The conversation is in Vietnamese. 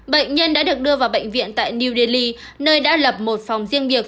bệnh nhân đã được đưa vào bệnh viện tại new delhi nơi đã lập một phòng riêng biệt